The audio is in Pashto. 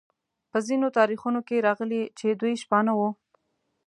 په ځینو تاریخونو کې راغلي چې دوی شپانه وو.